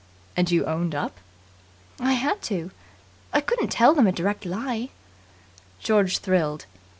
"And you owned up?" "I had to. I couldn't tell them a direct lie." George thrilled.